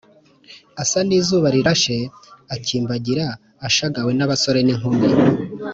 asa n’izuba rirashe, akimbagira ashagawe n’abasore n’inkumi